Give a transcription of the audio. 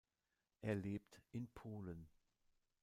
Er lebt in Polen.